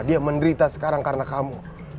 dia menderita sekarang karena kamu